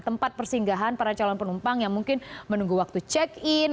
tempat persinggahan para calon penumpang yang mungkin menunggu waktu check in